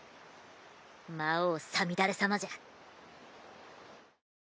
魔王さみだれ様じゃ。